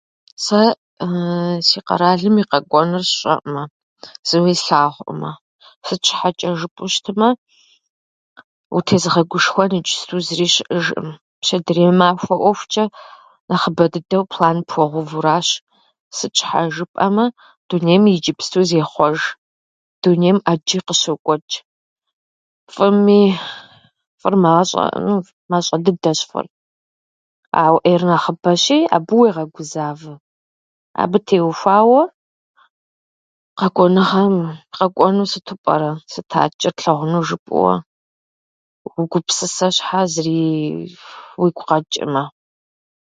Сэ си къэралым и къэкӏуэнур сщӏэӏымэ, зыуи слъагъуӏымэ. Сыт щхьэчӏэ жыпӏэу щытмэ, утезыгъэгушхуэн иджысту зыри щыӏэжӏым. Пщэдерей махуэ ӏуэхучӏэ нэхъыбэ дыдэу план пхуэгъэуву аращ. Сыт щхьа жыпӏэмэ, дунейм иджыпсту зехъуэж, дунейм ӏэджи къыщокӏуэчӏ. Фӏыми фӏыр мащӏэ- ну, мащӏэ дыдэщ фӏыр, ауэ ӏейр нэхъыбэщи, абы уегъэгузавэ. Абы теухуауэ къэкӏуэнухьэр- къэкӏуэнур сыту пӏэрэ, сыт атчӏэ тлъэгъунур жыпӏэуэ угупсысэ шхьа, зыри уигу къэчӏӏымэ.